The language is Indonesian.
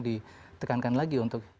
ditekankan lagi untuk